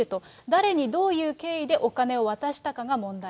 誰にどういう経緯でお金を渡したかが問題。